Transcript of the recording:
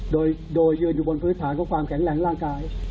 โดยยืนอยู่บนพื้นฐานของความแข็งแรงร่างกาย